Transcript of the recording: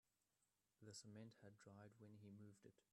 The cement had dried when he moved it.